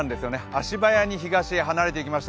足早に東へ離れていきました。